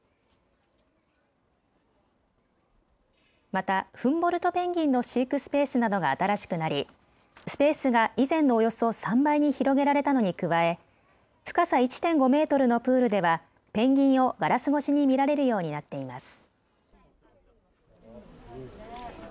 またフンボルトペンギンの飼育スペースなどが新しくなりスペースが以前のおよそ３倍に広げられたのに加え深さ１．５メートルのプールではペンギンをガラス越しに見られるようになっています。